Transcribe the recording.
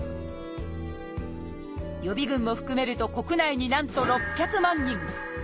予備群も含めると国内になんと６００万人。